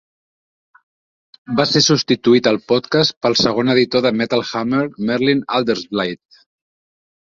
Va ser substituït al Podcast pel segon editor de Metal Hammer, Merlin Alderslade.